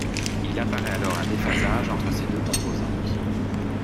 Il apparaît alors un déphasage entre ces deux composantes.